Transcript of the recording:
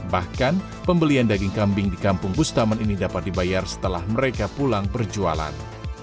bahkan pembelian daging kambing di kampung bustaman ini dapat dibayar setelah mereka pulang berjualan